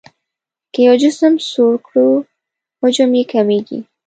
که یو جسم سوړ کړو حجم یې کمیږي.